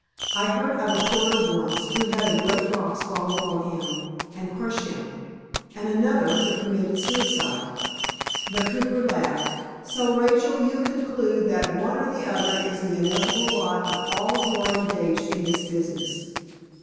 "I heard of a porter, once, who had a great box fall upon him and crush him; and another, who committed suicide." The cooper laughed. "So, Rachel, you conclude that one or the other is the inevitable lot of all who are engaged in this business."